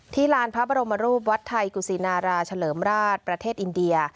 ลานพระบรมรูปวัดไทยกุศินาราเฉลิมราชประเทศอินเดีย